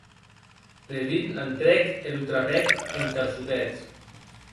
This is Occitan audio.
Levin entrèc e lo trapèc en calçotets.